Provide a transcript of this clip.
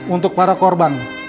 untuk para korban